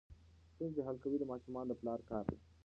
ستونزې حل کول د ماشومانو د پلار کار دی.